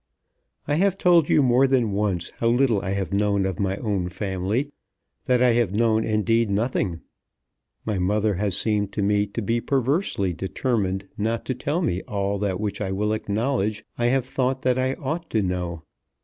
I have told you more than once how little I have known of my own family, that I have known indeed nothing. My mother has seemed to me to be perversely determined not to tell me all that which I will acknowledge I have thought that I ought to know.